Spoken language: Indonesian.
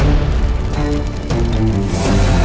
ada apaan sih